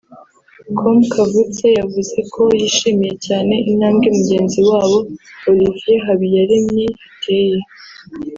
com Kavutse yavuze ko yishimiye cyane intambwe mugenzi wabo (Olivier Habiyaremye) ateye